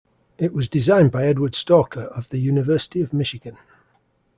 It was designed by Edward Stalker of the University of Michigan.